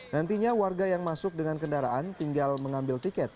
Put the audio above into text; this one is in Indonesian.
nantinya warga yang masuk dengan kendaraan tinggal mengambil tiket